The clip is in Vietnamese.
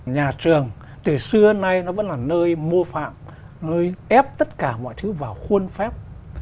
nhà trường từ xưa nay nó vẫn là nơi mô phạm nơi ép tất cả mọi thứ vào khuôn phép